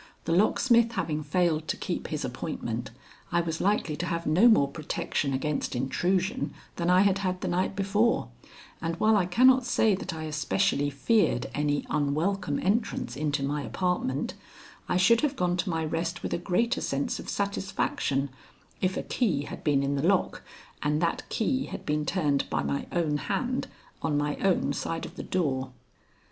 The locksmith having failed to keep his appointment, I was likely to have no more protection against intrusion than I had had the night before, and while I cannot say that I especially feared any unwelcome entrance into my apartment, I should have gone to my rest with a greater sense of satisfaction if a key had been in the lock and that key had been turned by my own hand on my own side of the door.